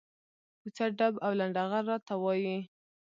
کوڅه ډب او لنډه غر راته وایي.